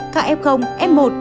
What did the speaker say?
các f f một